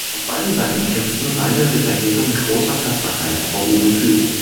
Auf beiden Seiten kämpften reine Ritterheere mit großer Tapferkeit, aber ohne Führung.